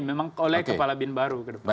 memang oleh kepala bin baru